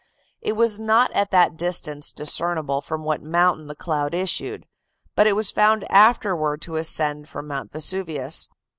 It was not at that distance discernible from what mountain the cloud issued, but it was found afterward to ascend from Mount Vesuvius.